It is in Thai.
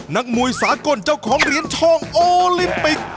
นักมวยสากลเจ้าของเหรียญทองโอลิมปิก